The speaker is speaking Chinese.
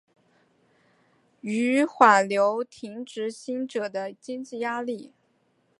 纾缓留职停薪者的经济压力